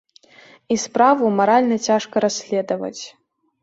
І справу маральна цяжка расследаваць.